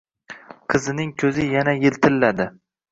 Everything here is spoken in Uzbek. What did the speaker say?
Qizining koʻzi yana yiltilladi.